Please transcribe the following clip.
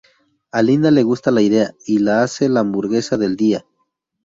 A Linda le gusta la idea y la hace la hamburguesa del día.